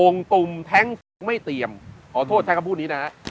องค์ตุ่มแท็งค์ไม่เตรียมขอโทษใช้คำพูดนี้นะนะ